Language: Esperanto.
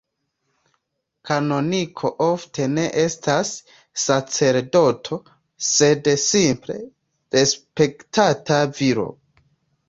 Kanoniko ofte ne estas sacerdoto, sed simple respektata viro.